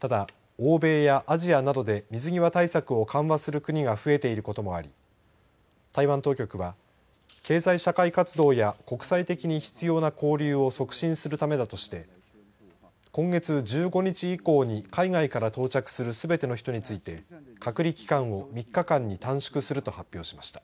ただ、欧米やアジアなどで水際対策を緩和する国が増えていることもあり台湾当局は経済社会活動や国際的に必要な交流を促進するためだとして今月１５日以降に海外から到着するすべての人について隔離期間を３日間に短縮すると発表しました。